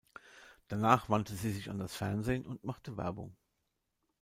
Danach wandte sie sich an das Fernsehen und machte Werbung.